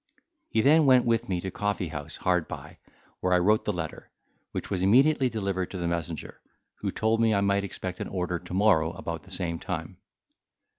He then went with me to coffee house hard by, where I wrote the letter, which was immediately delivered to the messenger, who told me I might expect an order to morrow about the same time.